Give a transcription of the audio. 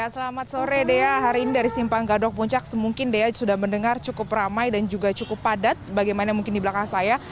selamat sore dea hari ini dari simpang gadok puncak semungkin dea sudah mendengar cukup ramai dan juga cukup padat bagaimana mungkin di belakang saya